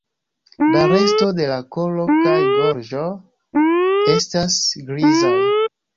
La resto de la kolo kaj gorĝo estas grizaj.